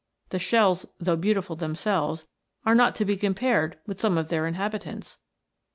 The shells, though beautiful themselves, are not to be compared with some of their inhabitants.